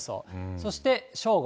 そして正午。